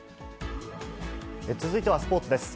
続いてはスポーツです。